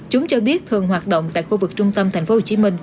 chúng cho biết thường hoạt động tại khu vực trung tâm tp hcm